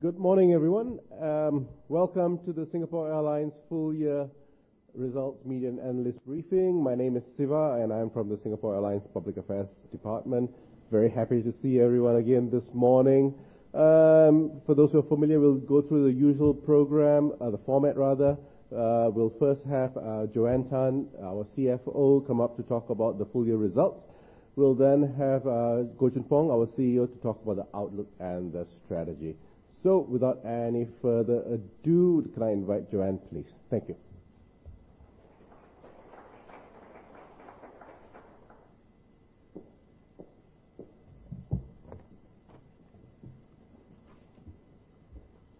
Good morning, everyone. Welcome to the Singapore Airlines full-year results media and analyst briefing. My name is Siva, and I'm from the Singapore Airlines Public Affairs Department. Very happy to see everyone again this morning. For those who are familiar, we'll go through the usual program, the format rather. We'll first have Jo-Ann Tan, our CFO, come up to talk about the full-year results. We'll then have Goh Choon Phong, our CEO, to talk about the outlook and the strategy. So without any further ado, can I invite Jo-Ann, please? Thank you.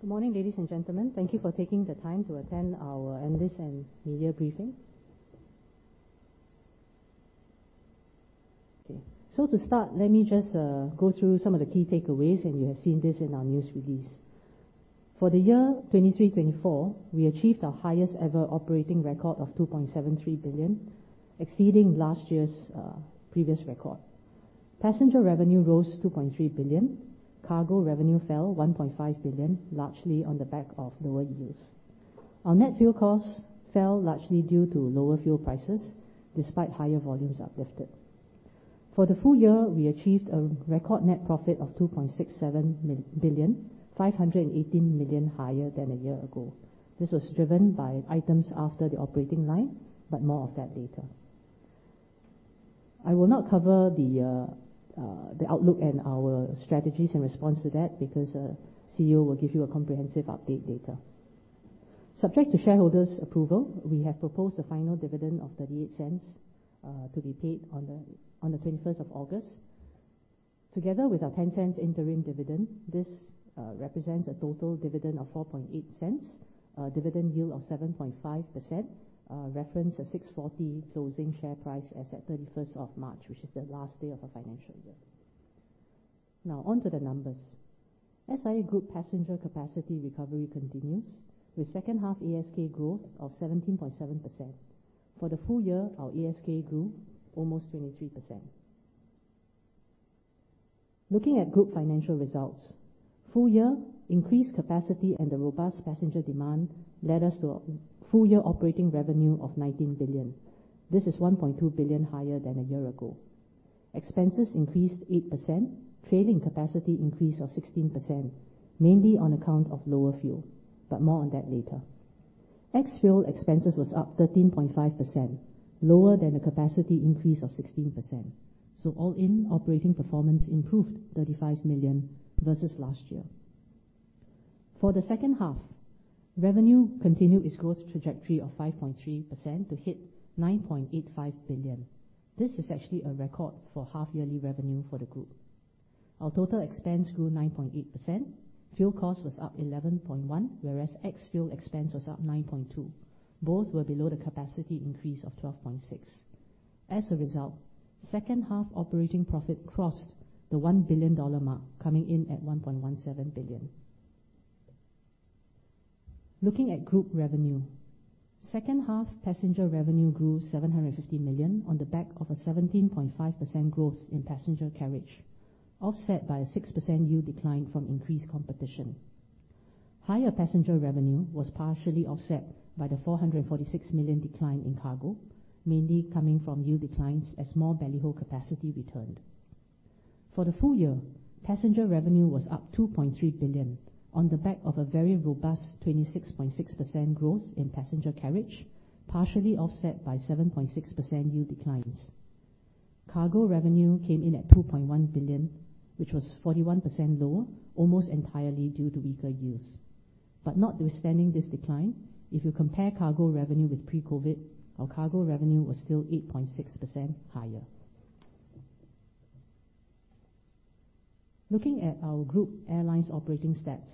Good morning, ladies and gentlemen. Thank you for taking the time to attend our analysts and media briefing. Okay, so to start, let me just go through some of the key takeaways, and you have seen this in our news release. For the year 2023/24, we achieved our highest-ever operating record of 2.73 billion, exceeding last year's previous record. Passenger revenue rose 2.3 billion. Cargo revenue fell 1.5 billion, largely on the back of lower yields. Our net fuel costs fell largely due to lower fuel prices, despite higher volumes uplifted. For the full year, we achieved a record net profit of 2.67 billion, 518 million higher than a year ago. This was driven by items after the operating line, but more of that later. I will not cover the outlook and our strategies in response to that because CEO will give you a comprehensive update later. Subject to shareholders' approval, we have proposed a final dividend of 0.38, to be paid on the 21st of August. Together with our 0.10 interim dividend, this represents a total dividend of 0.48, a dividend yield of 7.5%, referencing a 6.40 closing share price as at 31st of March, which is the last day of a financial year. Now, onto the numbers. SIA Group passenger capacity recovery continues, with second-half ASK growth of 17.7%. For the full year, our ASK grew almost 23%. Looking at group financial results, full-year increased capacity and the robust passenger demand led us to a full-year operating revenue of 19 billion. This is 1.2 billion higher than a year ago. Expenses increased 8%, trailing capacity increase of 16%, mainly on account of lower fuel, but more on that later. Ex-fuel expenses were up 13.5%, lower than the capacity increase of 16%, so all-in operating performance improved 35 million versus last year. For the second-half, revenue continued its growth trajectory of 5.3% to hit 9.85 billion. This is actually a record for half-yearly revenue for the group. Our total expense grew 9.8%. Fuel cost was up 11.1%, whereas ex-fuel expense was up 9.2%. Both were below the capacity increase of 12.6%. As a result, second-half operating profit crossed the 1 billion dollar mark, coming in at 1.17 billion. Looking at group revenue, second-half passenger revenue grew 750 million on the back of a 17.5% growth in passenger carriage, offset by a 6% yield decline from increased competition. Higher passenger revenue was partially offset by the 446 million decline in cargo, mainly coming from yield declines as more belly-hold capacity returned. For the full year, passenger revenue was up 2.3 billion on the back of a very robust 26.6% growth in passenger carriage, partially offset by 7.6% yield declines. Cargo revenue came in at 2.1 billion, which was 41% lower, almost entirely due to weaker yields. But notwithstanding this decline, if you compare cargo revenue with pre-COVID, our cargo revenue was still 8.6% higher. Looking at our group airlines operating stats,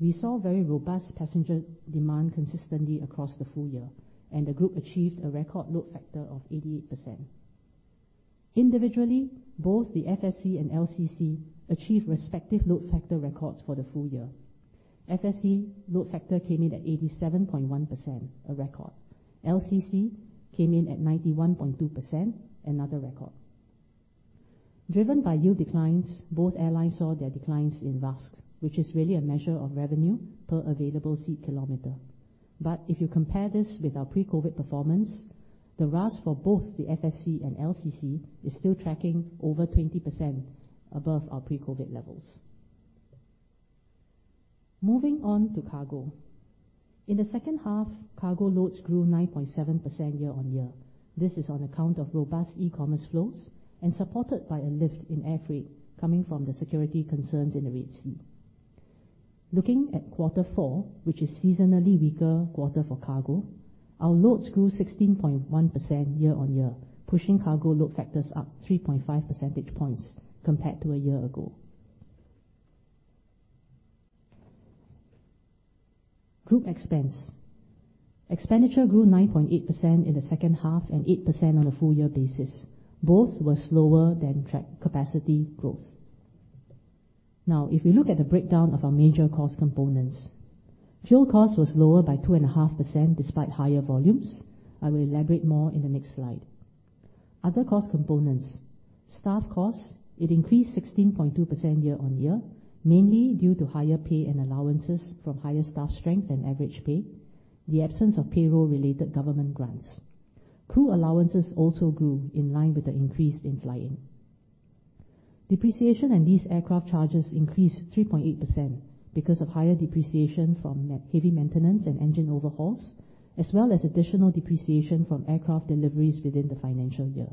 we saw very robust passenger demand consistently across the full year, and the group achieved a record load factor of 88%. Individually, both the FSC and LCC achieved respective load factor records for the full year. FSC load factor came in at 87.1%, a record. LCC came in at 91.2%, another record. Driven by yield declines, both airlines saw their declines in RASK, which is really a measure of revenue per available seat kilometer. If you compare this with our pre-COVID performance, the RASK for both the FSC and LCC is still tracking over 20% above our pre-COVID levels. Moving on to cargo. In the second half, cargo loads grew 9.7% year-on-year. This is on account of robust e-commerce flows and supported by a lift in air freight coming from the security concerns in the Red Sea. Looking at quarter four, which is seasonally weaker quarter for cargo, our loads grew 16.1% year-on-year, pushing cargo load factors up 3.5 percentage points compared to a year ago. Group expense. Expenditure grew 9.8% in the second half and 8% on a full-year basis. Both were slower than tracked capacity growth. Now, if we look at the breakdown of our major cost components, fuel cost was lower by 2.5% despite higher volumes. I will elaborate more in the next slide. Other cost components. Staff cost. It increased 16.2% year-on-year, mainly due to higher pay and allowances from higher staff strength and average pay, the absence of payroll-related government grants. Crew allowances also grew in line with the increase in flying. Depreciation and lease aircraft charges increased 3.8% because of higher depreciation from heavy maintenance and engine overhauls, as well as additional depreciation from aircraft deliveries within the financial year.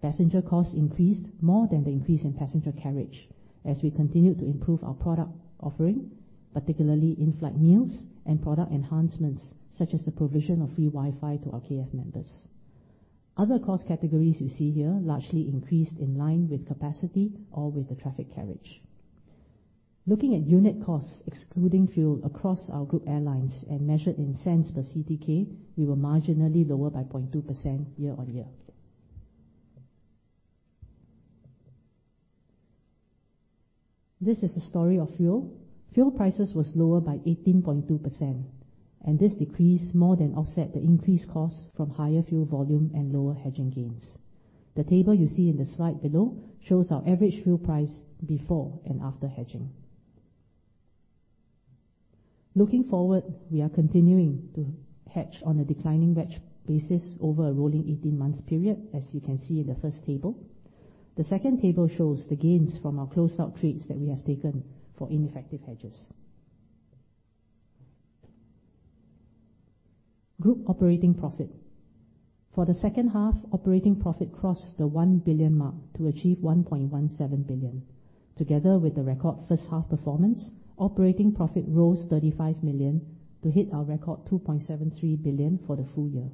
Passenger costs increased more than the increase in passenger carriage as we continue to improve our product offering, particularly in-flight meals and product enhancements such as the provision of free Wi-Fi to our KF members. Other cost categories you see here largely increased in line with capacity or with the traffic carriage. Looking at unit costs excluding fuel across our group airlines and measured in cents per CTK, we were marginally lower by 0.2% year-on-year. This is the story of fuel. Fuel prices were lower by 18.2%, and this decrease more than offset the increased costs from higher fuel volume and lower hedging gains. The table you see in the slide below shows our average fuel price before and after hedging. Looking forward, we are continuing to hedge on a declining wedge basis over a rolling 18-month period, as you can see in the first table. The second table shows the gains from our closed-out trades that we have taken for ineffective hedges. Group operating profit. For the second half, operating profit crossed the 1 billion mark to achieve 1.17 billion. Together with the record first-half performance, operating profit rose 35 million to hit our record 2.73 billion for the full year.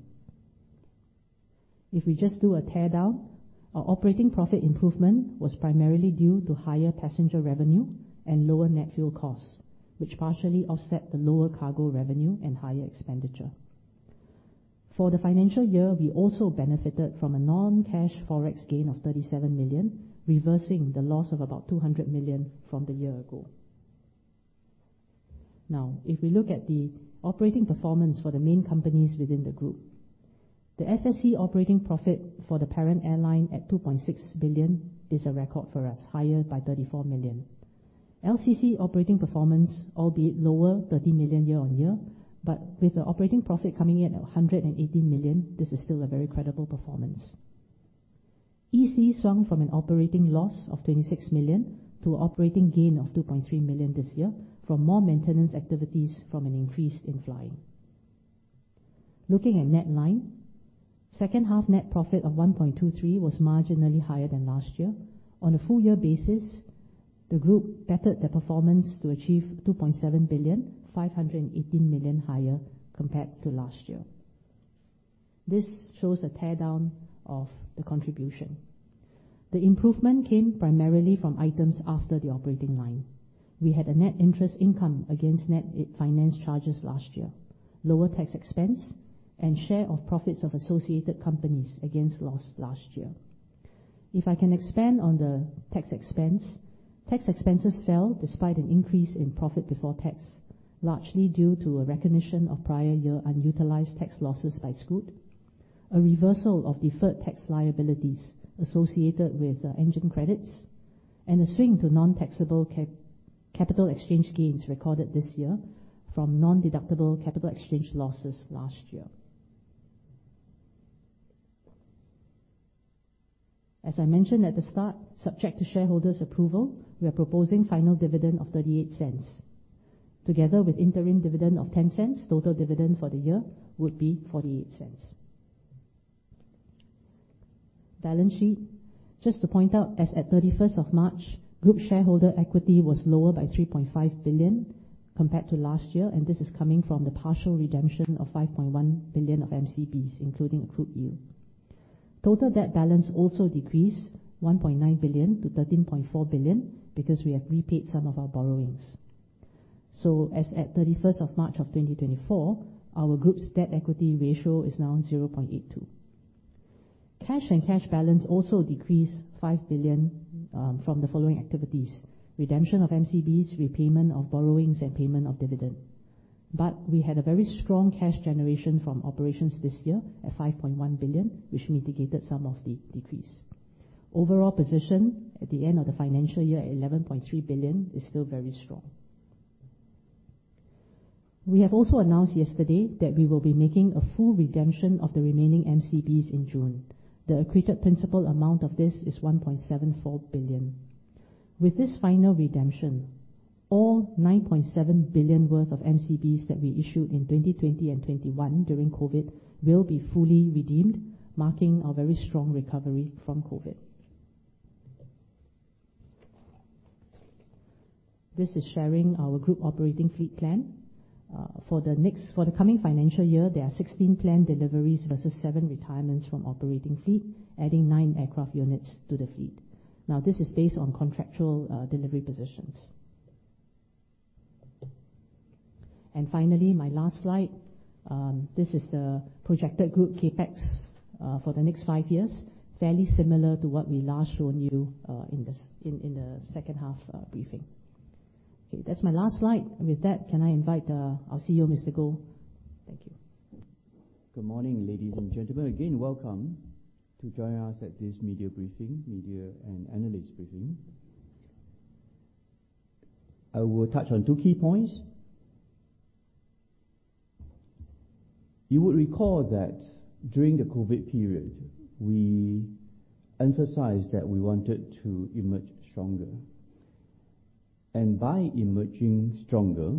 If we just do a tear down, our operating profit improvement was primarily due to higher passenger revenue and lower net fuel costs, which partially offset the lower cargo revenue and higher expenditure. For the financial year, we also benefited from a non-cash forex gain of 37 million, reversing the loss of about 200 million from the year ago. Now, if we look at the operating performance for the main companies within the group, the FSC operating profit for the parent airline at 2.6 billion is a record for us, higher by 34 million. LCC operating performance, albeit lower 30 million year-on-year, but with the operating profit coming in at 118 million, this is still a very credible performance. SIAEC swung from an operating loss of 26 million to an operating gain of 2.3 million this year from more maintenance activities from an increase in flying. Looking at net line, second-half net profit of 1.23 billion was marginally higher than last year. On a full-year basis, the group bettered their performance to achieve 2.7 billion, 518 million higher compared to last year. This shows a tear down of the contribution. The improvement came primarily from items after the operating line. We had a net interest income against net finance charges last year, lower tax expense, and share of profits of associated companies against loss last year. If I can expand on the tax expense, tax expenses fell despite an increase in profit before tax, largely due to a recognition of prior year unutilized tax losses by Scoot, a reversal of deferred tax liabilities associated with engine credits, and a swing to non-taxable capital exchange gains recorded this year from non-deductible capital exchange losses last year. As I mentioned at the start, subject to shareholders' approval, we are proposing final dividend of 0.38. Together with interim dividend of 0.10, total dividend for the year would be 0.48. Balance sheet. Just to point out, as at 31st of March, group shareholder equity was lower by 3.5 billion compared to last year, and this is coming from the partial redemption of 5.1 billion of MCBs, including accrued yield. Total debt balance also decreased 1.9 billion to 13.4 billion because we have repaid some of our borrowings. So as at 31st of March of 2024, our group's debt equity ratio is now 0.82. Cash and cash balance also decreased 5 billion, from the following activities: redemption of MCBs, repayment of borrowings, and payment of dividend. But we had a very strong cash generation from operations this year at 5.1 billion, which mitigated some of the decrease. Overall position at the end of the financial year at 11.3 billion is still very strong. We have also announced yesterday that we will be making a full redemption of the remaining MCBs in June. The accreted principal amount of this is 1.74 billion. With this final redemption, all 9.7 billion worth of MCBs that we issued in 2020 and 2021 during COVID will be fully redeemed, marking a very strong recovery from COVID. This is sharing our group operating fleet plan. for the next for the coming financial year, there are 16 planned deliveries versus 7 retirements from operating fleet, adding 9 aircraft units to the fleet. Now, this is based on contractual, delivery positions. And finally, my last slide, this is the projected group CapEx, for the next 5 years, fairly similar to what we last shown you, in this in the second-half, briefing. Okay, that's my last slide. With that, can I invite our CEO, Mr. Goh? Thank you. Good morning, ladies and gentlemen. Again, welcome to join us at this media briefing, media and analyst briefing. I will touch on two key points. You would recall that during the COVID period, we emphasized that we wanted to emerge stronger. By emerging stronger,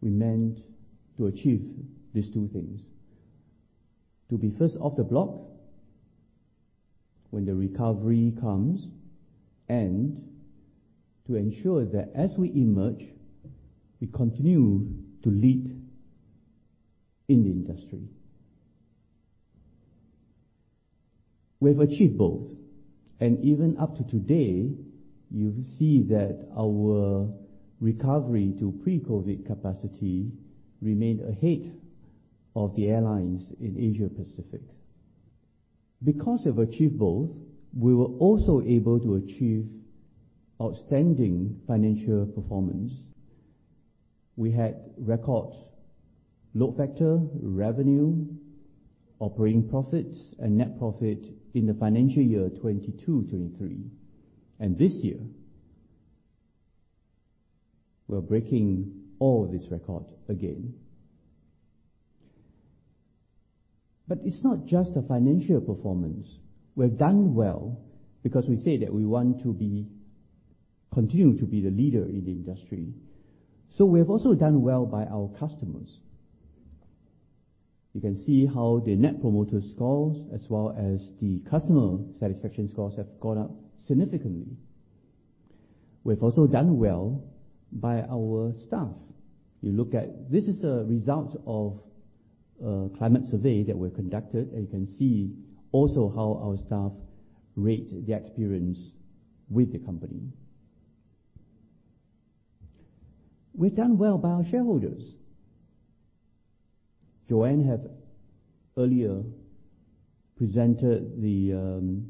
we meant to achieve these two things: to be first off the block when the recovery comes, and to ensure that as we emerge, we continue to lead in the industry. We have achieved both. Even up to today, you see that our recovery to pre-COVID capacity remained ahead of the airlines in Asia-Pacific. Because we have achieved both, we were also able to achieve outstanding financial performance. We had record load factor, revenue, operating profits, and net profit in the financial year 2022/23. This year, we're breaking all this record again. But it's not just a financial performance. We have done well because we say that we want to be continue to be the leader in the industry. So we have also done well by our customers. You can see how the net promoter scores as well as the customer satisfaction scores have gone up significantly. We have also done well by our staff. You look at this is a result of a climate survey that we have conducted, and you can see also how our staff rate the experience with the company. We have done well by our shareholders. Jo-Ann had earlier presented the,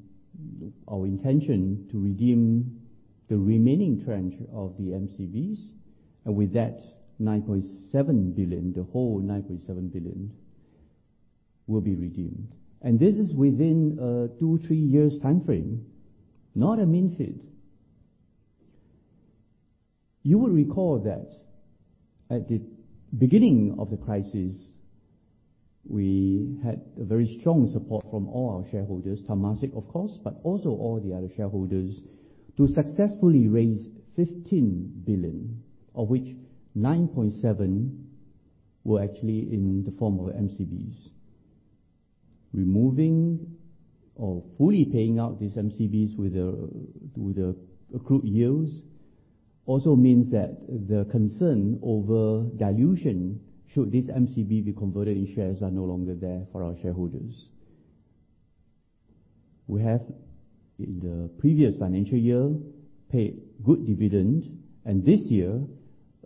our intention to redeem the remaining tranche of the MCBs. And with that, 9.7 billion, the whole 9.7 billion will be redeemed. And this is within a 2-3 years time frame, not a minute. You will recall that at the beginning of the crisis, we had a very strong support from all our shareholders, Temasek, of course, but also all the other shareholders, to successfully raise 15 billion, of which 9.7 were actually in the form of MCBs. Removing or fully paying out these MCBs with the accrued yields also means that the concern over dilution, should these MCBs be converted in shares, are no longer there for our shareholders. We have, in the previous financial year, paid good dividend, and this year,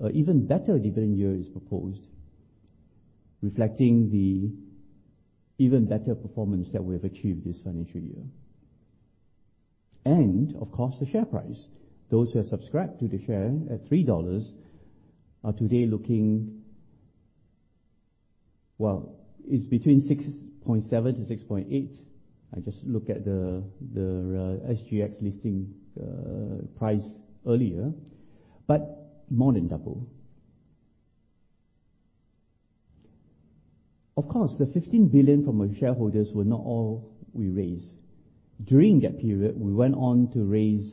a even better dividend year is proposed, reflecting the even better performance that we have achieved this financial year. And, of course, the share price. Those who have subscribed to the share at 3 dollars are today looking well, it's between 6.7-6.8. I just looked at the SGX listing price earlier, but more than double. Of course, the 15 billion from our shareholders were not all we raised. During that period, we went on to raise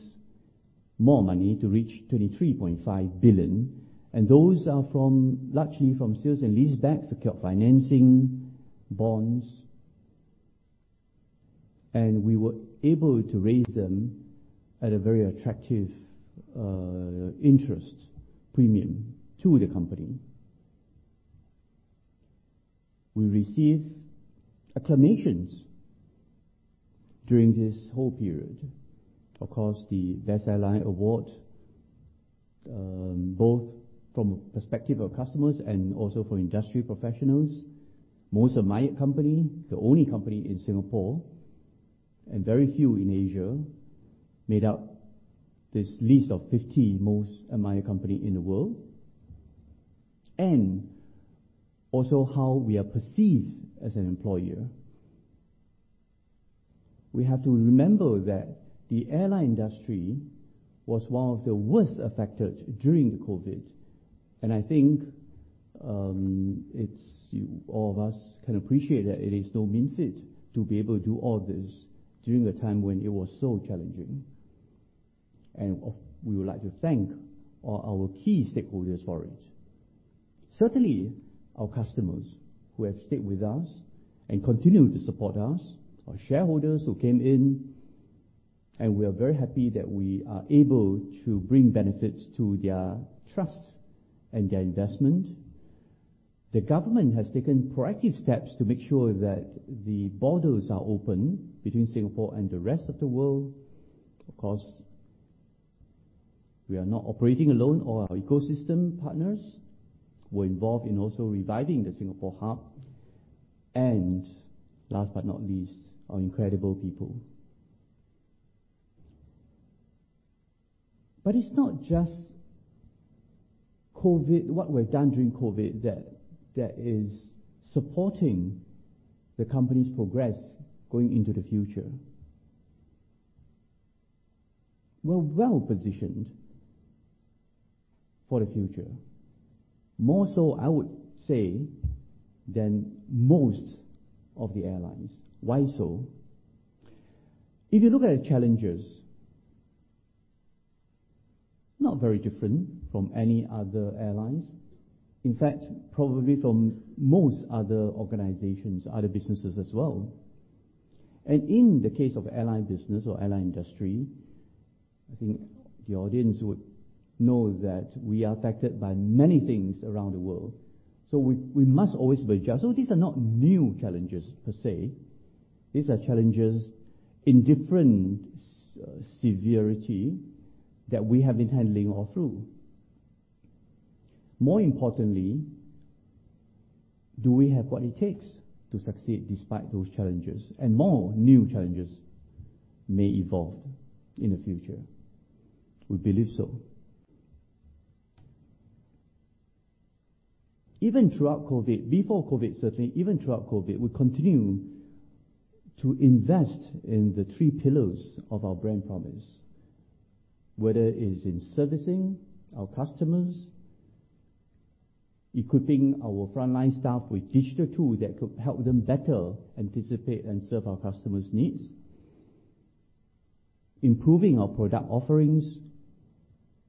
more money to reach 23.5 billion. And those are from largely from sales and lease backs secured financing, bonds. And we were able to raise them at a very attractive, interest premium to the company. We received accolades during this whole period, of course, the Best Airline Award, both from a perspective of customers and also for industry professionals. Most admired company, the only company in Singapore and very few in Asia, made up this list of 50 most admired companies in the world. And also how we are perceived as an employer. We have to remember that the airline industry was one of the worst affected during the COVID. I think it's something all of us can appreciate that it is no mean feat to be able to do all this during a time when it was so challenging. We would like to thank all our key stakeholders for it. Certainly, our customers who have stayed with us and continue to support us, our shareholders who came in, and we are very happy that we are able to bring benefits to their trust and their investment. The government has taken proactive steps to make sure that the borders are open between Singapore and the rest of the world. Of course, we are not operating alone. Our ecosystem partners were also involved in reviving the Singapore hub. Last but not least, our incredible people. But it's not just what we have done during COVID that is supporting the company's progress going into the future. We're well positioned for the future, more so, I would say, than most of the airlines. Why so? If you look at the challenges, not very different from any other airlines, in fact, probably from most other organizations, other businesses as well. In the case of airline business or airline industry, I think the audience would know that we are affected by many things around the world. We must always be adjusted. These are not new challenges per se. These are challenges in different severity that we have been handling all through. More importantly, do we have what it takes to succeed despite those challenges? More new challenges may evolve in the future. We believe so. Even throughout COVID before COVID, certainly even throughout COVID, we continue to invest in the three pillars of our brand promise, whether it is in servicing our customers, equipping our frontline staff with digital tools that could help them better anticipate and serve our customers' needs, improving our product offerings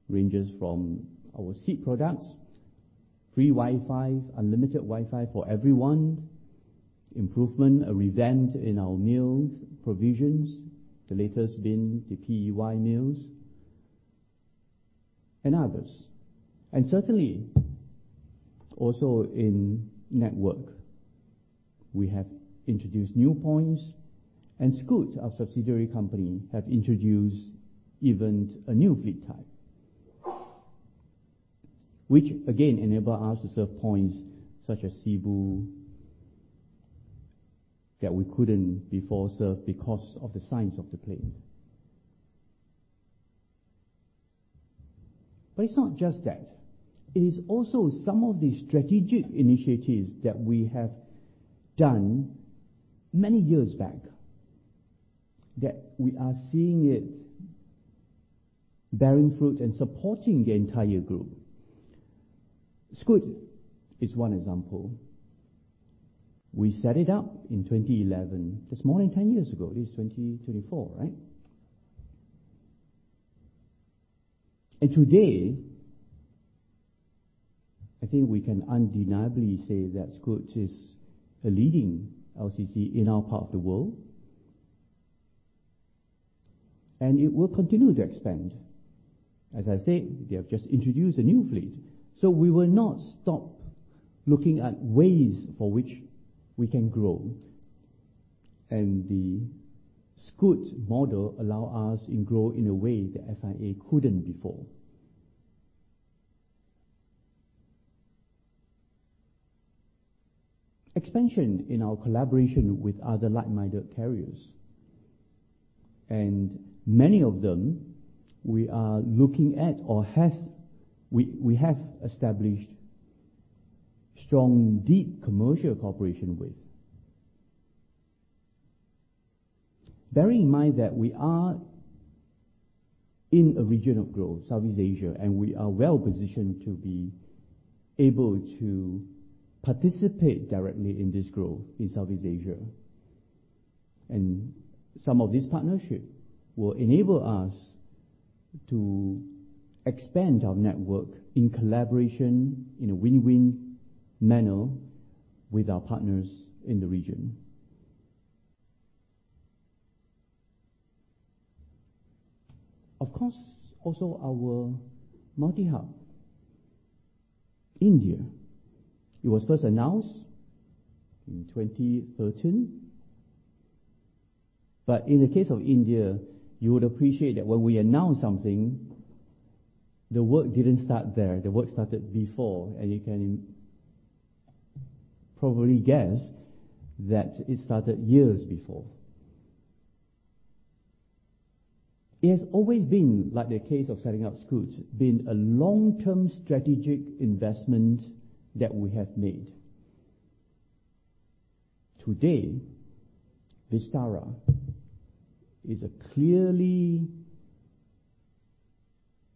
ranges from our seat products, free Wi-Fi, unlimited Wi-Fi for everyone, improvement, a revamp in our meal provisions, the latest being the PEY meals, and others. And certainly, also in network, we have introduced new points. And Scoot, our subsidiary company, have introduced even a new fleet type, which again enabled us to serve points such as Sibu that we couldn't before serve because of the size of the plane. But it's not just that. It is also some of the strategic initiatives that we have done many years back that we are seeing it bearing fruit and supporting the entire group. Scoot is one example. We set it up in 2011. That's more than 10 years ago. This is 2024, right? Today, I think we can undeniably say that Scoot is a leading LCC in our part of the world. It will continue to expand. As I say, they have just introduced a new fleet. So we will not stop looking at ways for which we can grow. The Scoot model allows us to grow in a way that SIA couldn't before. Expansion in our collaboration with other like-minded carriers. Many of them, we are looking at or we have established strong, deep commercial cooperation with. Bearing in mind that we are in a region of growth, Southeast Asia, and we are well positioned to be able to participate directly in this growth in Southeast Asia. Some of this partnership will enable us to expand our network in collaboration, in a win-win manner with our partners in the region. Of course, also our multi-hub, India. It was first announced in 2013. But in the case of India, you would appreciate that when we announce something, the work didn't start there. The work started before. You can probably guess that it started years before. It has always been, like the case of setting up Scoot, been a long-term strategic investment that we have made. Today, Vistara is clearly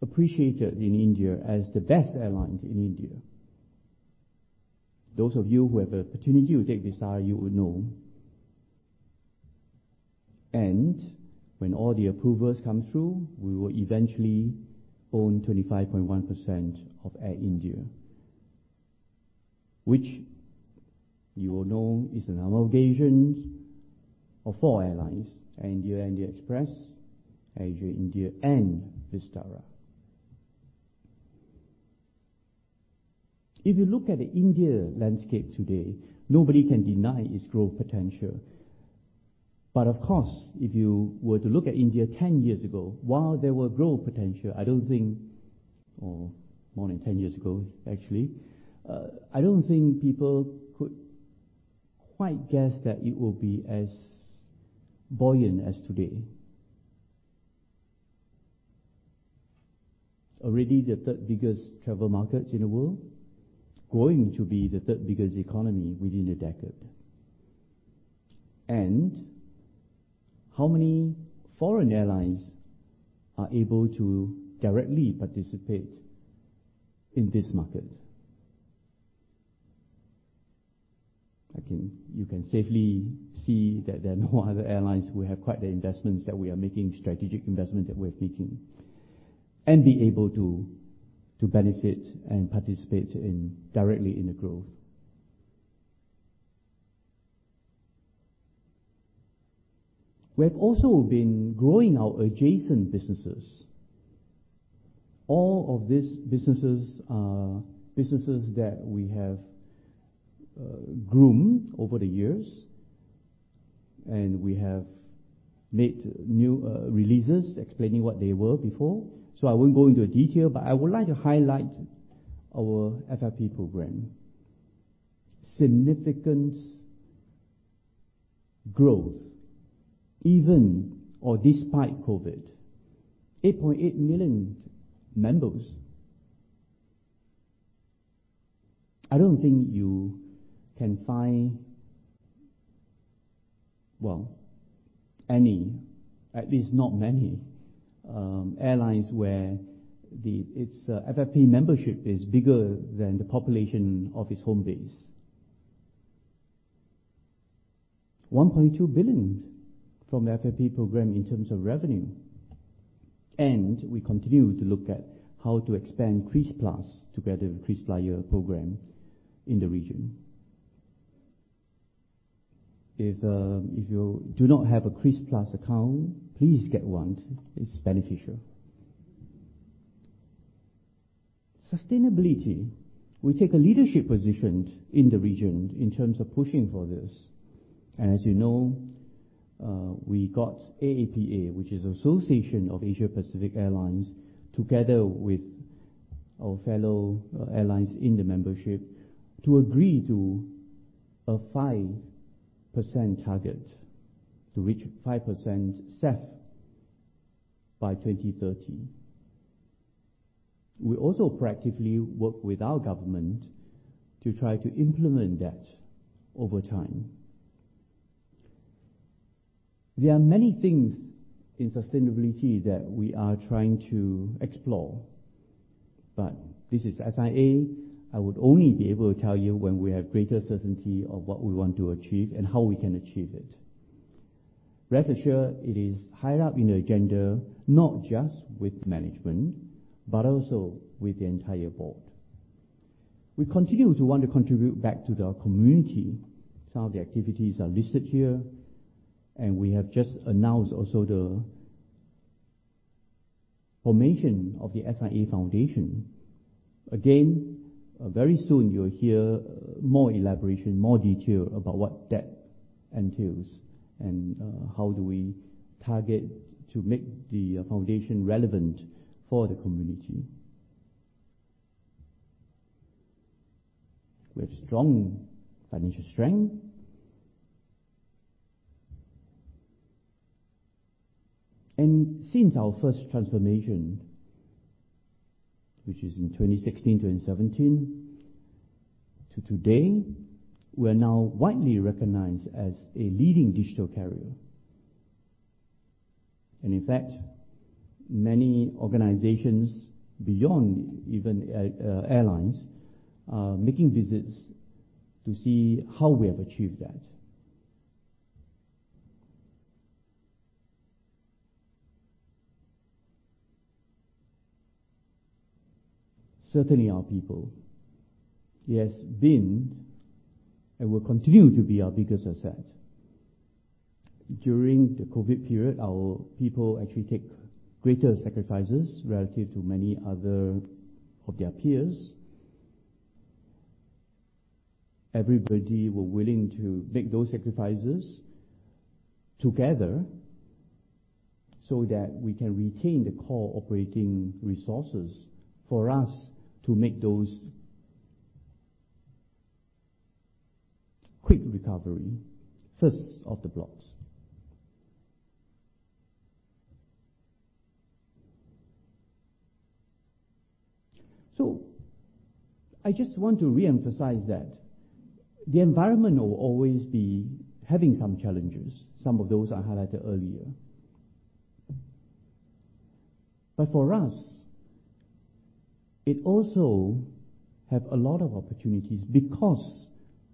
appreciated in India as the best airline in India. Those of you who have the opportunity to take Vistara, you would know. When all the approvers come through, we will eventually own 25.1% of Air India, which you will know is the number of Asians of four airlines: Air India and Air India Express, AirAsia India and Vistara. If you look at the India landscape today, nobody can deny its growth potential. But of course, if you were to look at India 10 years ago, while there was growth potential, I don't think or more than 10 years ago, actually, I don't think people could quite guess that it will be as buoyant as today. Already the third biggest travel market in the world, going to be the third biggest economy within a decade. And how many foreign airlines are able to directly participate in this market? You can safely see that there are no other airlines who have quite the investments that we are making, strategic investment that we are making, and be able to benefit and participate directly in the growth. We have also been growing our adjacent businesses. All of these businesses are businesses that we have groomed over the years. We have made news releases explaining what they were before. So I won't go into detail, but I would like to highlight our FFP program. Significant growth even despite COVID. 8.8 million members. I don't think you can find, well, any, at least not many, airlines where its FFP membership is bigger than the population of its home base. 1.2 billion from the FFP program in terms of revenue. We continue to look at how to expand Kris Plus together with Kris Flyer program in the region. If you do not have a Kris Plus account, please get one. It's beneficial. Sustainability. We take a leadership position in the region in terms of pushing for this. And as you know, we got AAPA, which is the Association of Asia Pacific Airlines, together with our fellow airlines in the membership, to agree to a 5% target to reach 5% SAF by 2030. We also proactively work with our government to try to implement that over time. There are many things in sustainability that we are trying to explore. But this is SIA. I would only be able to tell you when we have greater certainty of what we want to achieve and how we can achieve it. Rest assured, it is higher up in the agenda, not just with management, but also with the entire board. We continue to want to contribute back to the community. Some of the activities are listed here. We have just announced also the formation of the SIA Foundation. Again, very soon you will hear more elaboration, more detail about what that entails and how do we target to make the foundation relevant for the community. We have strong financial strength. Since our first transformation, which is in 2016, 2017, to today, we are now widely recognized as a leading digital carrier. In fact, many organizations beyond even airlines are making visits to see how we have achieved that. Certainly, our people. It has been and will continue to be our biggest asset. During the COVID period, our people actually took greater sacrifices relative to many other of their peers. Everybody were willing to make those sacrifices together so that we can retain the core operating resources for us to make those quick recovery first of the blocks. So I just want to reemphasize that the environment will always be having some challenges. Some of those are highlighted earlier. But for us, it also has a lot of opportunities because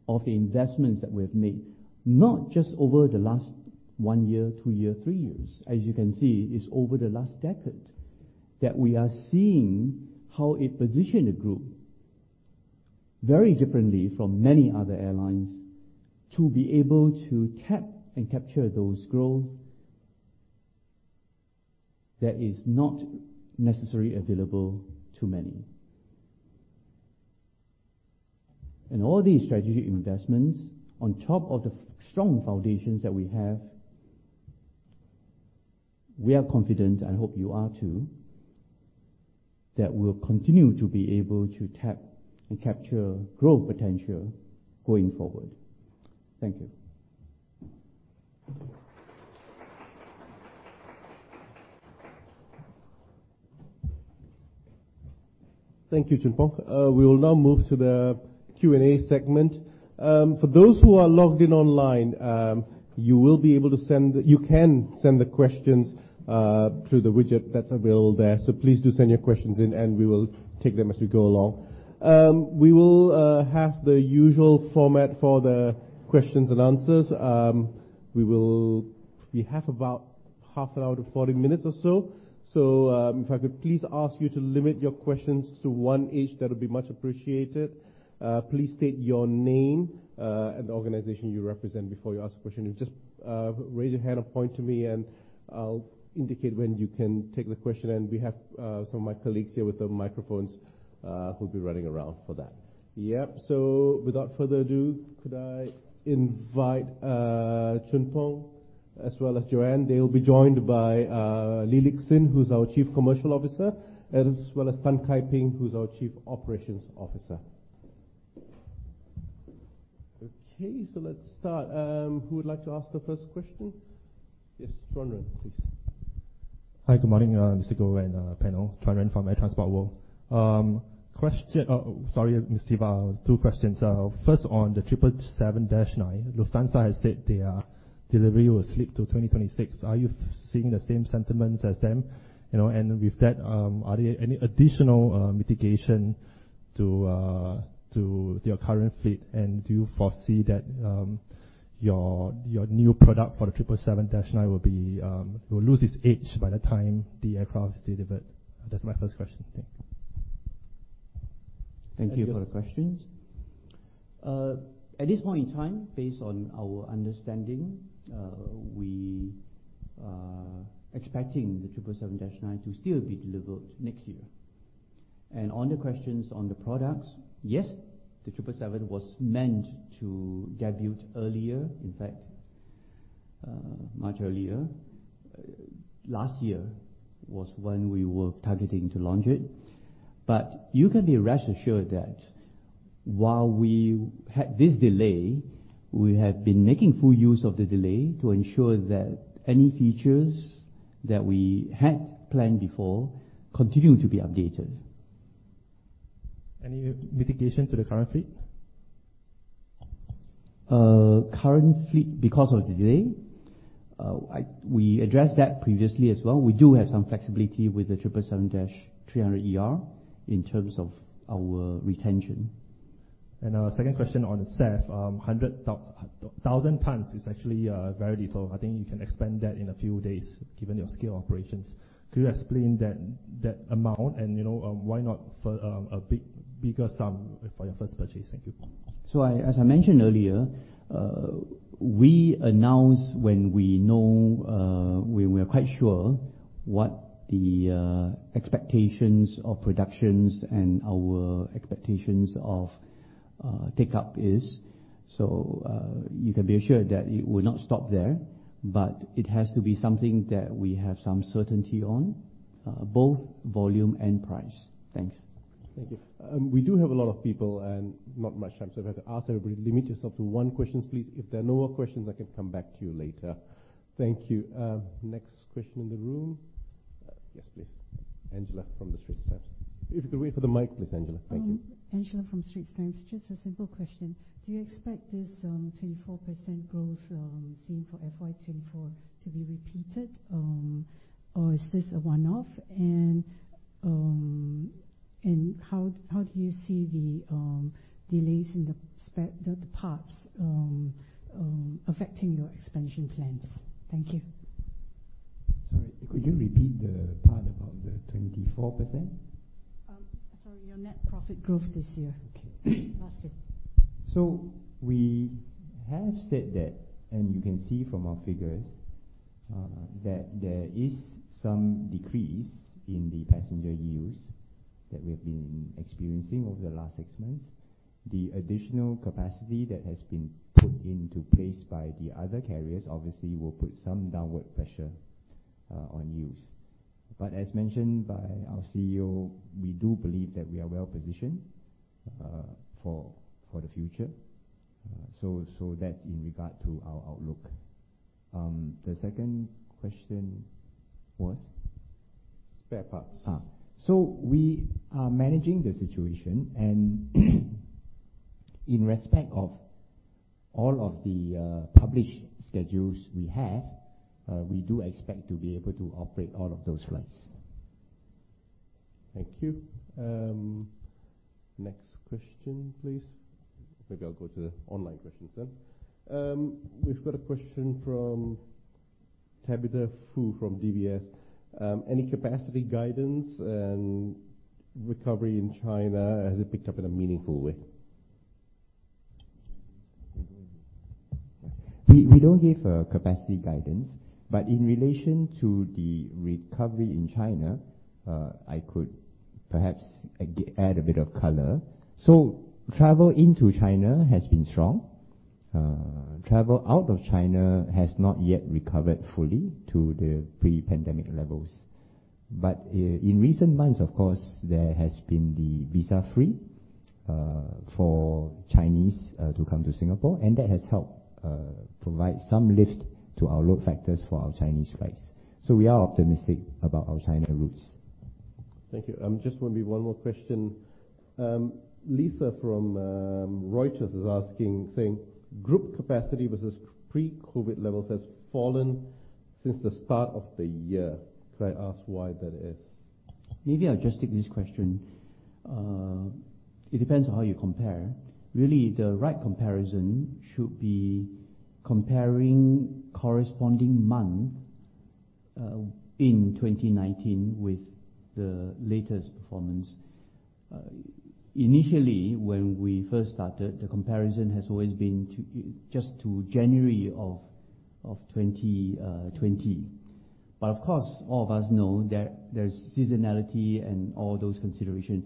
of the investments that we have made, not just over the last one year, two years, three years. As you can see, it's over the last decade that we are seeing how it positioned the group very differently from many other airlines to be able to tap and capture those growth that is not necessarily available to many. All these strategic investments, on top of the strong foundations that we have, we are confident, and I hope you are too, that we will continue to be able to tap and capture growth potential going forward. Thank you. Thank you, Choon Phong. We will now move to the Q&A segment. For those who are logged in online, you will be able to send the questions through the widget that's available there. So please do send your questions in, and we will take them as we go along. We will have the usual format for the questions and answers. We will have about 30 minutes-40 minutes or so. So if I could please ask you to limit your questions to one each. That would be much appreciated. Please state your name and the organization you represent before you ask a question. Just raise your hand or point to me, and I'll indicate when you can take the question. And we have some of my colleagues here with the microphones who'll be running around for that. Yep. So without further ado, could I invite Choon Phong as well as Jo-Ann? They will be joined by Lee Lik Hsin, who's our Chief Commercial Officer, as well as Tan Kai Ping, who's our Chief Operations Officer. Okay. So let's start. Who would like to ask the first question? Yes, Chen Chuanren, please. Hi. Good morning, Mr. Guo and panel. Chen Chuanren from Air Transport World. Question. Oh, sorry, Mr. Siva. Two questions. First, on the 777-9, Lufthansa has said their delivery will slip to 2026. Are you seeing the same sentiments as them? And with that, are there any additional mitigation to your current fleet? And do you foresee that your new product for the 777-9 will lose its age by the time the aircraft is delivered? That's my first question. Thank you. Thank you for the questions. At this point in time, based on our understanding, we are expecting the 777-9 to still be delivered next year. On the questions on the products, yes, the 777 was meant to debut earlier, in fact, much earlier. Last year was when we were targeting to launch it. You can be rest assured that while we had this delay, we have been making full use of the delay to ensure that any features that we had planned before continue to be updated. Any mitigation to the current fleet? Current fleet because of the delay? We addressed that previously as well. We do have some flexibility with the 777-300ER in terms of our retention. Our second question on the SAF, 1,000 tons is actually very little. I think you can expand that in a few days, given your scale of operations. Could you explain that amount and why not a bigger sum for your first purchase? Thank you. As I mentioned earlier, we announce when we know when we are quite sure what the expectations of productions and our expectations of takeoff is. You can be assured that it will not stop there. But it has to be something that we have some certainty on, both volume and price. Thanks. Thank you. We do have a lot of people and not much time, so I've had to ask everybody. Limit yourself to one question, please. If there are no more questions, I can come back to you later. Thank you. Next question in the room? Yes, please. Angela from the Straits Times. If you could wait for the mic, please, Angela. Thank you. Angela from The Straits Times. Just a simple question. Do you expect this 24% growth seen for FY2024 to be repeated, or is this a one-off? And how do you see the delays in the parts affecting your expansion plans? Thank you. Sorry. Could you repeat the part about the 24%? Sorry. Your net profit growth this year. Last year. So we have said that, and you can see from our figures, that there is some decrease in the passenger yields that we have been experiencing over the last six months. The additional capacity that has been put into place by the other carriers, obviously, will put some downward pressure on yields. But as mentioned by our CEO, we do believe that we are well positioned for the future. So that's in regard to our outlook. The second question was? Spare parts. We are managing the situation. In respect of all of the published schedules we have, we do expect to be able to operate all of those flights. Thank you. Next question, please. Maybe I'll go to the online questions then. We've got a question from Tabitha Foo from DBS. Any capacity guidance and recovery in China has it picked up in a meaningful way? We don't give capacity guidance. But in relation to the recovery in China, I could perhaps add a bit of color. So travel into China has been strong. Travel out of China has not yet recovered fully to the pre-pandemic levels. But in recent months, of course, there has been the visa-free for Chinese to come to Singapore. And that has helped provide some lift to our load factors for our Chinese flights. So we are optimistic about our China routes. Thank you. Just when we have one more question, Lisa from Reuters is asking, saying, "Group capacity versus pre-COVID levels has fallen since the start of the year." Could I ask why that is? Maybe I'll just take this question. It depends on how you compare. Really, the right comparison should be comparing corresponding month in 2019 with the latest performance. Initially, when we first started, the comparison has always been just to January of 2020. But of course, all of us know there's seasonality and all those considerations.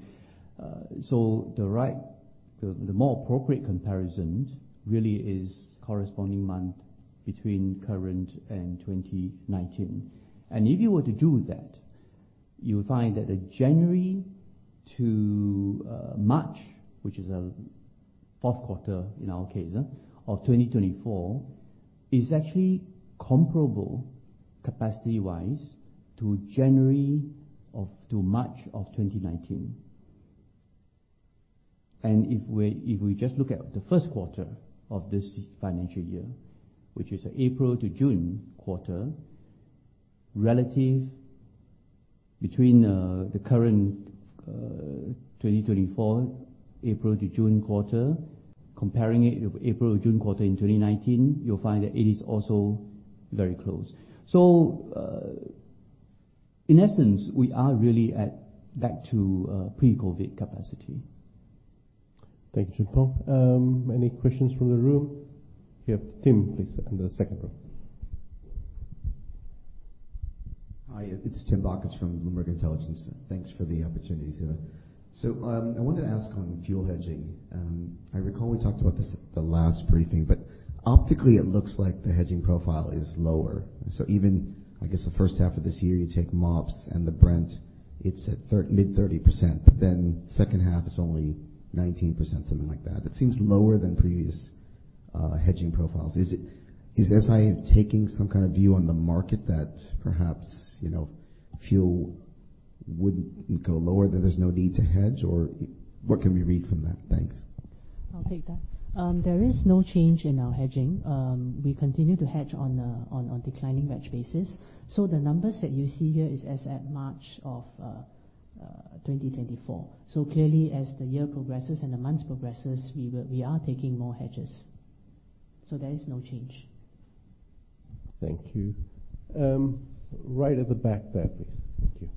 So the more appropriate comparison really is corresponding month between current and 2019. And if you were to do that, you would find that the January to March, which is the fourth quarter in our case, of 2024, is actually comparable capacity-wise to January to March of 2019. And if we just look at the first quarter of this financial year, which is April to June quarter, relative between the current 2024 April to June quarter, comparing it with April to June quarter in 2019, you'll find that it is also very close. In essence, we are really back to pre-COVID capacity. Thank you, Choon Phong. Any questions from the room? We have Tim, please, in the second room. Hi. It's Tim Bacchus from Bloomberg Intelligence. Thanks for the opportunity, Siva. So I wanted to ask on fuel hedging. I recall we talked about this at the last briefing. But optically, it looks like the hedging profile is lower. So even, I guess, the first half of this year, you take MOPS and the Brent, it's at mid-30%. But then second half, it's only 19%, something like that. That seems lower than previous hedging profiles. Is SI taking some kind of view on the market that perhaps fuel wouldn't go lower, that there's no need to hedge? Or what can we read from that? Thanks. I'll take that. There is no change in our hedging. We continue to hedge on declining wedge basis. So the numbers that you see here is as at March of 2024. So clearly, as the year progresses and the months progresses, we are taking more hedges. So there is no change. Thank you. Right at the back there, please. Thank you.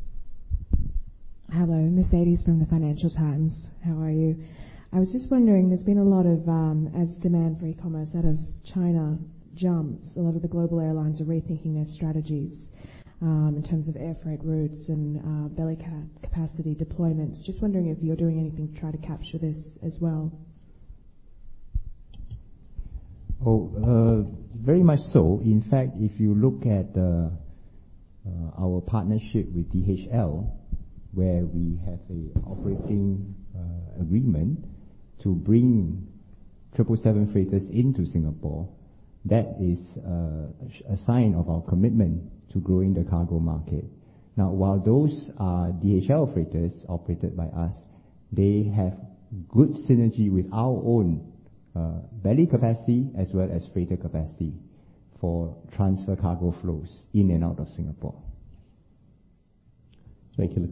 Hello. Mercedes Ruehl from the Financial Times. How are you? I was just wondering, there's been a lot of, as demand for e-commerce out of China jumps, a lot of the global airlines are rethinking their strategies in terms of air freight routes and belly cargo capacity deployments. Just wondering if you're doing anything to try to capture this as well. Oh, very much so. In fact, if you look at our partnership with DHL, where we have an operating agreement to bring 777 freighters into Singapore, that is a sign of our commitment to growing the cargo market. Now, while those are DHL freighters operated by us, they have good synergy with our own belly capacity as well as freighter capacity for transfer cargo flows in and out of Singapore. Thank you, Lik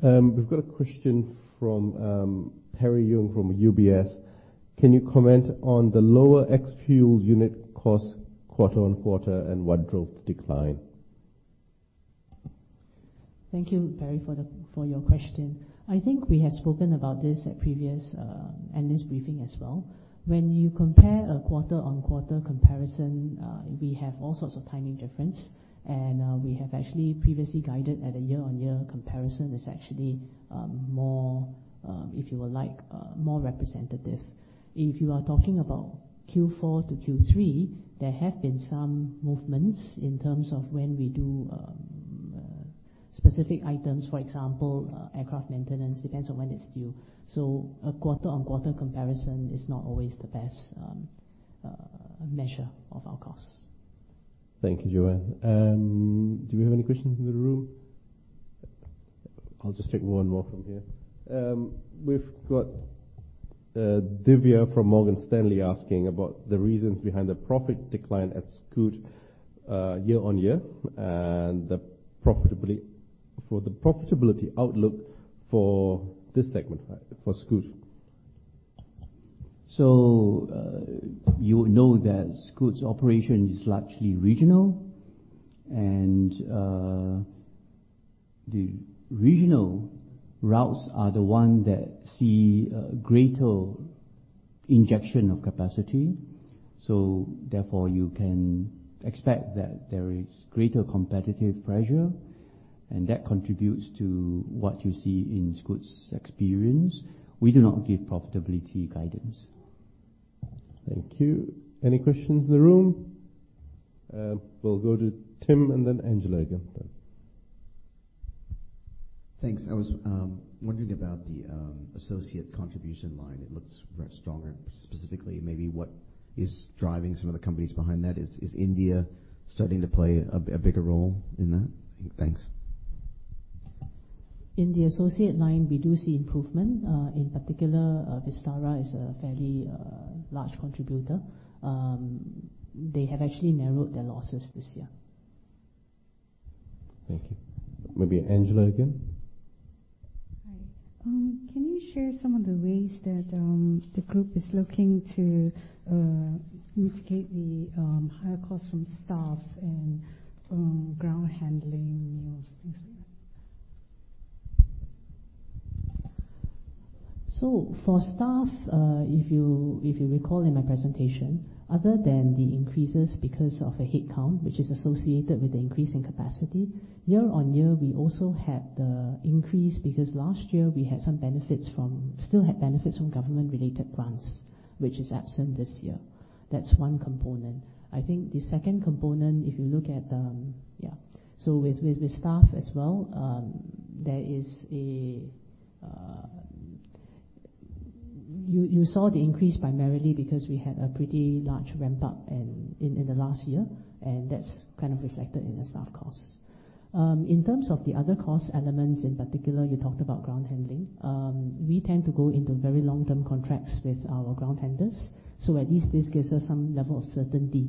Hsin. We've got a question from Perry Jung from UBS. Can you comment on the lower ex-fuel unit cost quarter-over-quarter and what drove the decline? Thank you, Perry, for your question. I think we have spoken about this at previous and this briefing as well. When you compare a quarter-on-quarter comparison, we have all sorts of timing difference. We have actually previously guided at a year-on-year comparison is actually more, if you will like, more representative. If you are talking about Q4 to Q3, there have been some movements in terms of when we do specific items. For example, aircraft maintenance depends on when it's due. A quarter-on-quarter comparison is not always the best measure of our costs. Thank you, Jo-Ann. Do we have any questions in the room? I'll just take one more from here. We've got Divya from Morgan Stanley asking about the reasons behind the profit decline at Scoot year-over-year and the profitability outlook for this segment for Scoot. You know that Scoot's operation is largely regional. The regional routes are the ones that see greater injection of capacity. Therefore, you can expect that there is greater competitive pressure. That contributes to what you see in Scoot's experience. We do not give profitability guidance. Thank you. Any questions in the room? We'll go to Tim and then Angela again. Thanks. I was wondering about the associate contribution line. It looks very strong. Specifically, maybe what is driving some of the companies behind that? Is India starting to play a bigger role in that? Thanks. In the associate line, we do see improvement. In particular, Vistara is a fairly large contributor. They have actually narrowed their losses this year. Thank you. Maybe Angela again. Hi. Can you share some of the ways that the group is looking to mitigate the higher costs from staff and ground handling, things like that? So for staff, if you recall in my presentation, other than the increases because of a headcount, which is associated with the increase in capacity, year-over-year, we also had the increase because last year, we had some benefits from still had benefits from government-related grants, which is absent this year. That's one component. I think the second component, if you look at yeah. So with staff as well, there is a you saw the increase primarily because we had a pretty large ramp-up in the last year. And that's kind of reflected in the staff costs. In terms of the other cost elements, in particular, you talked about ground handling. We tend to go into very long-term contracts with our ground handlers. So at least this gives us some level of certainty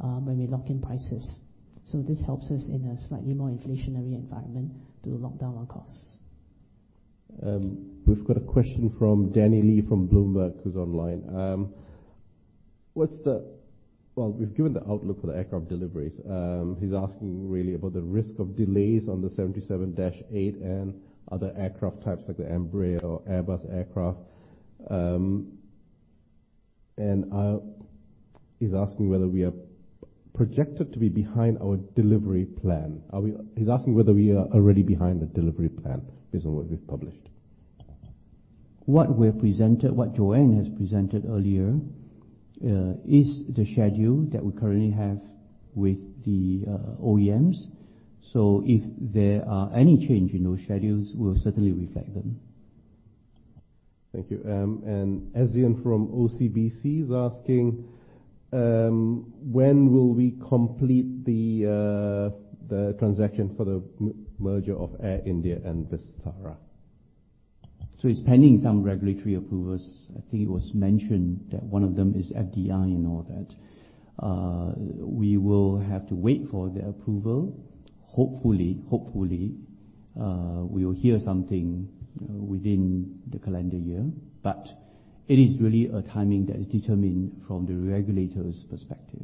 when we lock in prices. So this helps us in a slightly more inflationary environment to lock down our costs. We've got a question from Tani Lee from Bloomberg who's online. Well, we've given the outlook for the aircraft deliveries. He's asking really about the risk of delays on the 777-8 and other aircraft types like the Embraer or Airbus aircraft. And he's asking whether we are projected to be behind our delivery plan. He's asking whether we are already behind the delivery plan based on what we've published. What Jo-Ann has presented earlier is the schedule that we currently have with the OEMs. So if there are any change in those schedules, we'll certainly reflect them. Thank you. Ezien from OCBC is asking, "When will we complete the transaction for the merger of Air India and Vistara? It's pending some regulatory approvals. I think it was mentioned that one of them is FDI and all that. We will have to wait for the approval. Hopefully, we will hear something within the calendar year. It is really a timing that is determined from the regulators' perspective.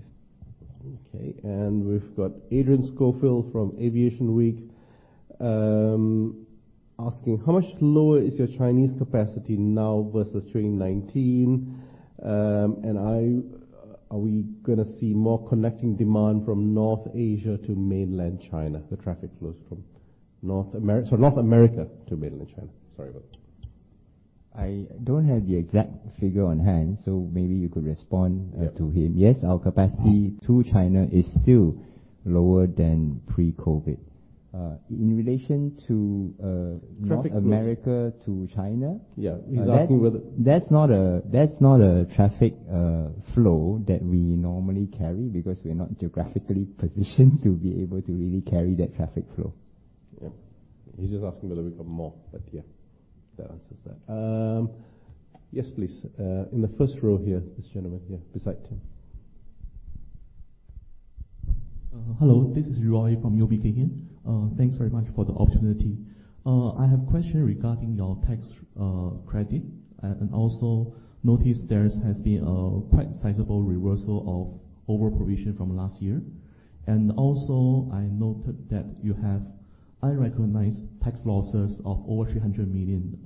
Okay. And we've got Adrian Schofield from Aviation Week asking, "How much lower is your Chinese capacity now versus 2019? And are we going to see more connecting demand from North Asia to mainland China?" The traffic flows from North America sorry, North America to mainland China. Sorry about that. I don't have the exact figure on hand. Maybe you could respond to him. Yes, our capacity to China is still lower than pre-COVID. In relation to North America to China, that's not a traffic flow that we normally carry because we're not geographically positioned to be able to really carry that traffic flow. Yeah. He's just asking whether we got more. But yeah, that answers that. Yes, please. In the first row here, this gentleman here, beside Tim. Hello. This is Roy from UOB Kay Hian here. Thanks very much for the opportunity. I have a question regarding your tax credit. Also, notice there has been a quite sizable reversal of overprovision from last year. Also, I noted that you have unrecognized tax losses of over 300 million,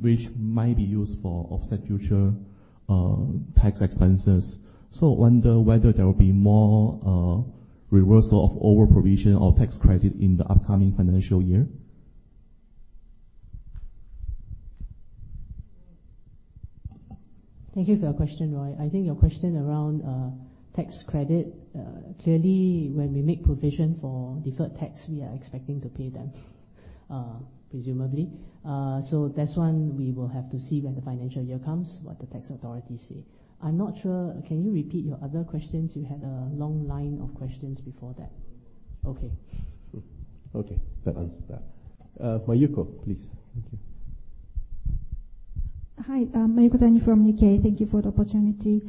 which might be used for offset future tax expenses. So I wonder whether there will be more reversal of overprovision or tax credit in the upcoming financial year. Thank you for your question, Roy. I think your question around tax credit, clearly, when we make provision for deferred tax, we are expecting to pay them, presumably. So that's one we will have to see when the financial year comes, what the tax authorities say. I'm not sure. Can you repeat your other questions? You had a long line of questions before that. Okay. Okay. That answers that. Mayuko, please. Thank you. Hi. Mayuko, Danny from U.K. Thank you for the opportunity.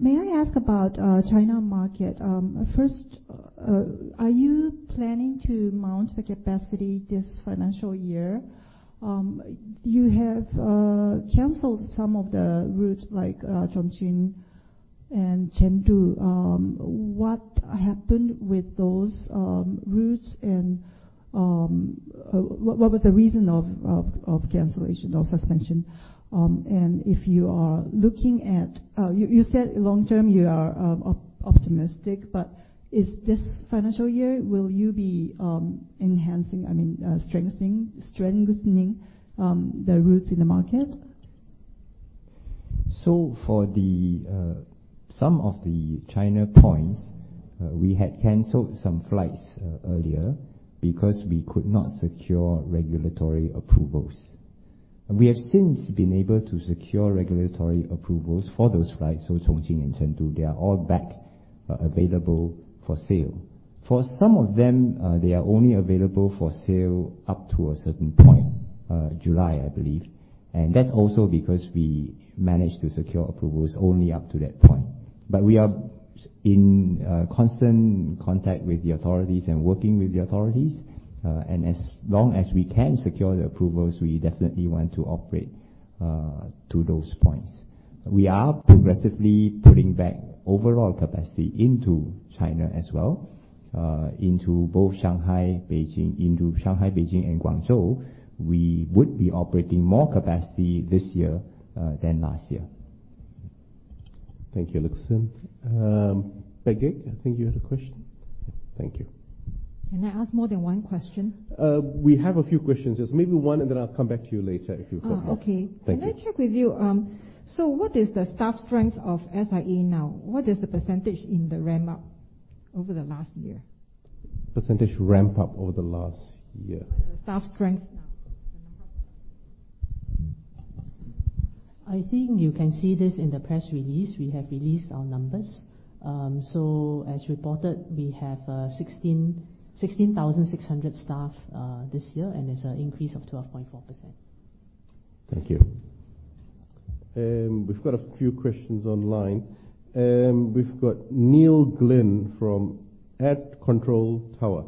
May I ask about China market? First, are you planning to mount the capacity this financial year? You have canceled some of the routes like Chongqing and Chengdu. What happened with those routes? And what was the reason of cancellation or suspension? And if you are looking at you said long-term, you are optimistic. But is this financial year, will you be enhancing I mean, strengthening the routes in the market? So for some of the China points, we had canceled some flights earlier because we could not secure regulatory approvals. We have since been able to secure regulatory approvals for those flights. So Chongqing and Chengdu, they are all back available for sale. For some of them, they are only available for sale up to a certain point, July, I believe. And that's also because we managed to secure approvals only up to that point. But we are in constant contact with the authorities and working with the authorities. And as long as we can secure the approvals, we definitely want to operate to those points. We are progressively putting back overall capacity into China as well, into both Shanghai, Beijing, into Shanghai, Beijing, and Guangzhou. We would be operating more capacity this year than last year. Thank you, Lik Hsin. Perry Jung, I think you had a question. Thank you. Can I ask more than one question? We have a few questions. Yes. Maybe one, and then I'll come back to you later if you've got more. Oh, okay. Can I check with you? So what is the staff strength of SIA now? What is the percentage in the ramp-up over the last year? Percentage ramp-up over the last year. Staff strength now, the number of staff. I think you can see this in the press release. We have released our numbers. So as reported, we have 16,600 staff this year. It's an increase of 12.4%. Thank you. We've got a few questions online. We've got Neil Glynn from Air Control Tower.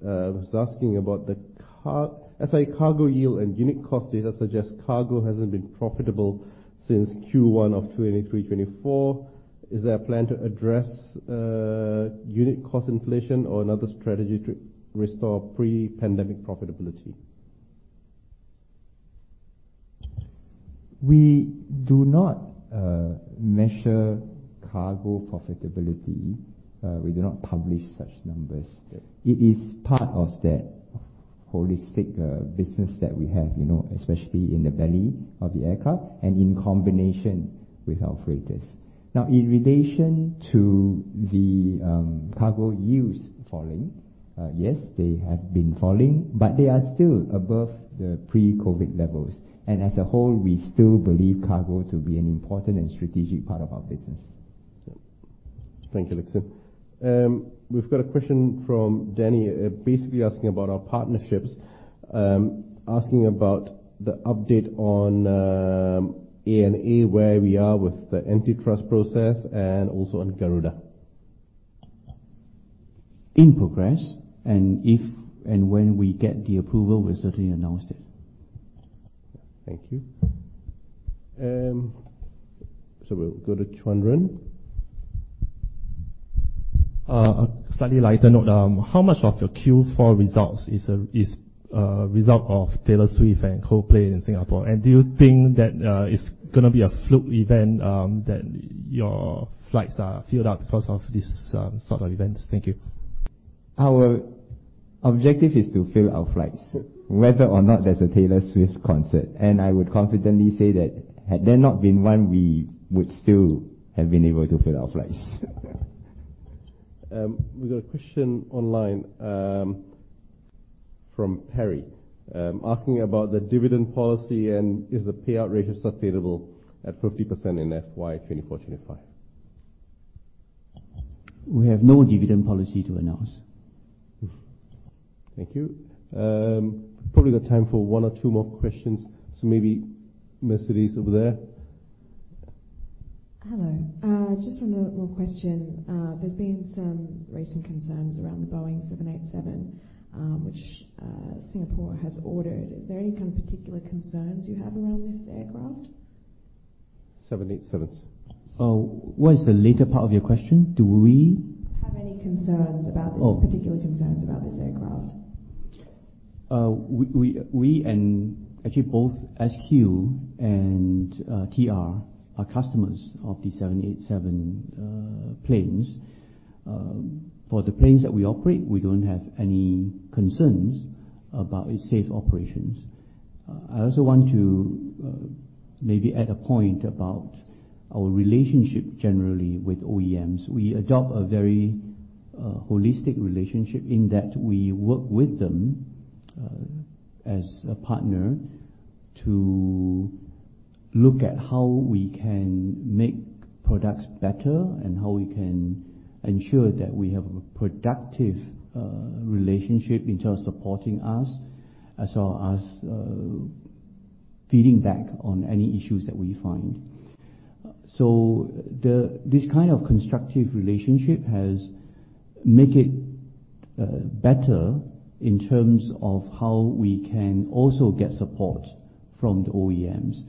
He's asking about the SIA cargo yield and unit cost data. Suggests cargo hasn't been profitable since Q1 of 2023/2024. Is there a plan to address unit cost inflation or another strategy to restore pre-pandemic profitability? We do not measure cargo profitability. We do not publish such numbers. It is part of that holistic business that we have, especially in the belly of the aircraft and in combination with our freighters. Now, in relation to the cargo yields falling, yes, they have been falling. But they are still above the pre-COVID levels. As a whole, we still believe cargo to be an important and strategic part of our business. Yeah. Thank you, Lik Hsin. We've got a question from Danny, basically asking about our partnerships, asking about the update on ANA where we are with the antitrust process, and also on Garuda. In progress. If and when we get the approval, we'll certainly announce it. Thank you. So we'll go to Chuanren. A slightly lighter note. How much of your Q4 results is a result of Taylor Swift and Coldplay in Singapore? And do you think that it's going to be a fluke event that your flights are filled out because of this sort of events? Thank you. Our objective is to fill our flights. Whether or not there's a Taylor Swift concert, and I would confidently say that had there not been one, we would still have been able to fill our flights. We've got a question online from Perry asking about the dividend policy. Is the payout ratio sustainable at 50% in FY 2024/25? We have no dividend policy to announce. Thank you. Probably got time for one or two more questions. So maybe Mercedes over there. Hello. Just one more question. There's been some recent concerns around the Boeing 787, which Singapore has ordered. Is there any kind of particular concerns you have around this aircraft? 787s. What is the latter part of your question? Do we? Have any concerns about this particular aircraft? We and actually both SQ and TR are customers of the 787 planes. For the planes that we operate, we don't have any concerns about its safe operations. I also want to maybe add a point about our relationship generally with OEMs. We adopt a very holistic relationship in that we work with them as a partner to look at how we can make products better and how we can ensure that we have a productive relationship in terms of supporting us as well as feeding back on any issues that we find. So this kind of constructive relationship has made it better in terms of how we can also get support from the OEMs.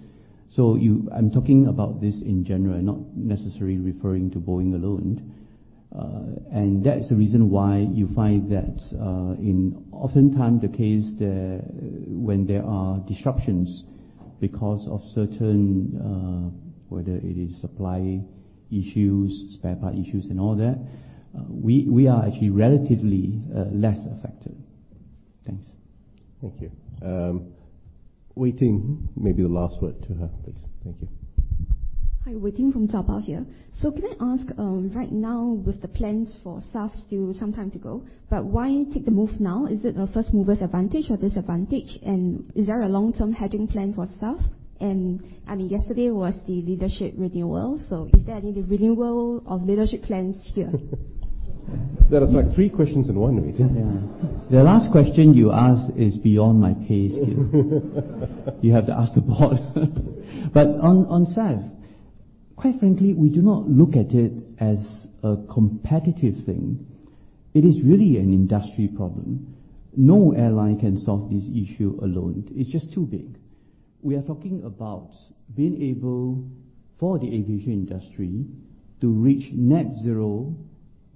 So I'm talking about this in general, not necessarily referring to Boeing alone. That is the reason why you find that in many cases when there are disruptions because of weather, whether it is supply issues, spare part issues, and all that, we are actually relatively less affected. Thanks. Thank you. Wei Ting, maybe the last word to her, please. Thank you. Hi. Wei Ting from Lianhe Zaobao here. Can I ask, right now, with the plans for SAF, still some time to go? But why take the move now? Is it a first-mover's advantage or disadvantage? And is there a long-term hedging plan for SAF? And I mean, yesterday was the leadership renewal. So is there any renewal of leadership plans here? That is like three questions in one, Waiting. Yeah. The last question you asked is beyond my pay scale. You have to ask the board. But on SAF, quite frankly, we do not look at it as a competitive thing. It is really an industry problem. No airline can solve this issue alone. It's just too big. We are talking about being able for the aviation industry to reach net zero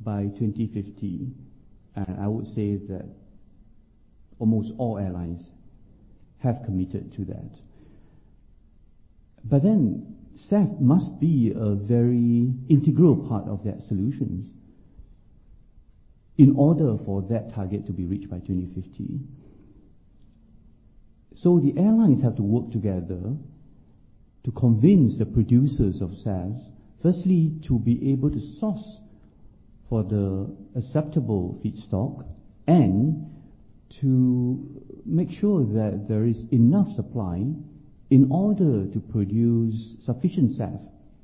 by 2050. And I would say that almost all airlines have committed to that. But then SAF must be a very integral part of that solution in order for that target to be reached by 2050. So the airlines have to work together to convince the producers of SAF, firstly, to be able to source for the acceptable feedstock and to make sure that there is enough supply in order to produce sufficient SAF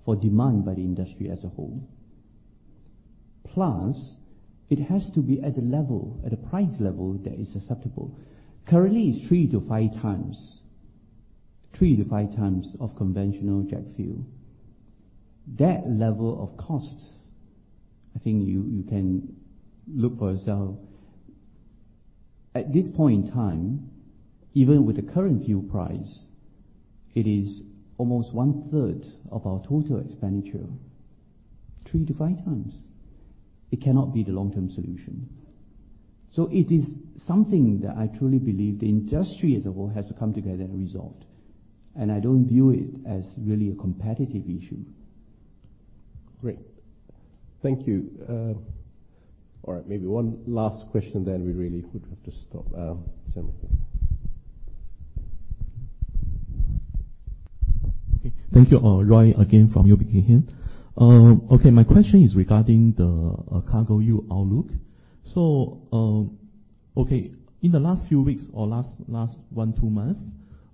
for demand by the industry as a whole. Plus, it has to be at a price level that is acceptable. Currently, it's 3-5 times 3-5 times of conventional jet fuel. That level of cost, I think you can look for yourself. At this point in time, even with the current fuel price, it is almost one-third of our total expenditure, 3-5 times. It cannot be the long-term solution. So it is something that I truly believe the industry as a whole has to come together and resolve. I don't view it as really a competitive issue. Great. Thank you. All right. Maybe one last question then. We really would have to stop. Okay. Thank you, Roy, again from UOB Kay Hian here. Okay. My question is regarding the cargo yield outlook. So okay. In the last few weeks or last 1, 2 months,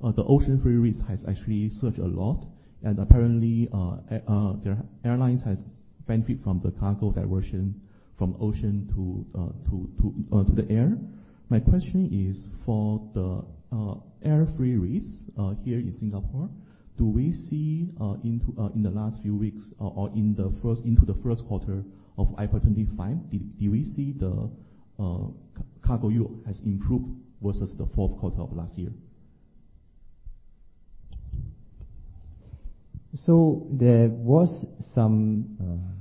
the ocean freight routes has actually surged a lot. And apparently, their airlines have benefited from the cargo diversion from ocean to the air. My question is, for the air freight routes here in Singapore, do we see in the last few weeks or into the first quarter of FY 2025, do we see the cargo yield has improved versus the fourth quarter of last year? There was some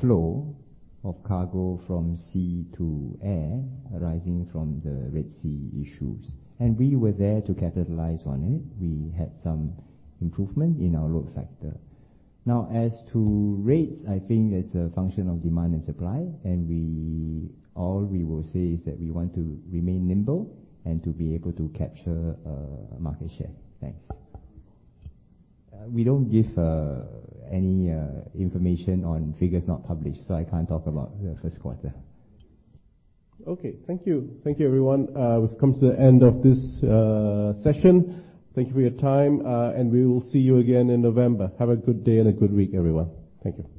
flow of cargo from sea to air arising from the Red Sea issues. We were there to capitalize on it. We had some improvement in our load factor. Now, as to rates, I think it's a function of demand and supply. All we will say is that we want to remain nimble and to be able to capture a market share. Thanks. We don't give any information on figures not published. I can't talk about the first quarter. Okay. Thank you. Thank you, everyone. We've come to the end of this session. Thank you for your time. We will see you again in November. Have a good day and a good week, everyone. Thank you.